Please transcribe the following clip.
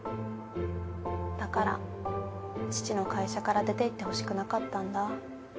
だから父の会社から出ていってほしくなかったんだ。